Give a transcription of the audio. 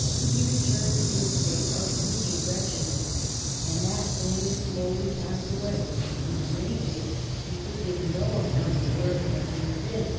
He returned in a state of moody wretchedness that only slowly passed away, and for many days he would give no account of where it was he had been.